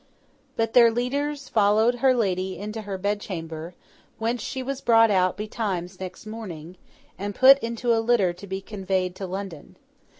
But, their leaders followed her lady into her bedchamber, whence she was brought out betimes next morning, and put into a litter to be conveyed to London.